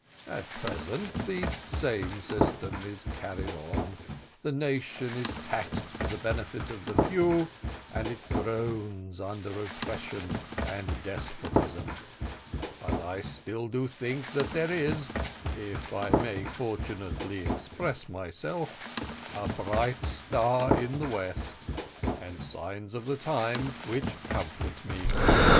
At present, the same system is carried on; the nation is taxed for the benefit of the few, and it groans under oppression and despotism; but I still do think that there is, if I may fortunately express myself, a bright star in the west; and signs of the times which comfort me.